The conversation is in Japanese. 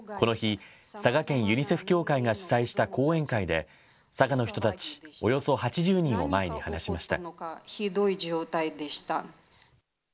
この日、佐賀県ユニセフ協会が主催した講演会で、佐賀の人たちおよそ８０人を前に話しました。